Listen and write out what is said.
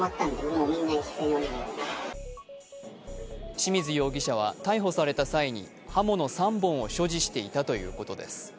清水容疑者は逮捕された際に刃物３本を所持していたということです。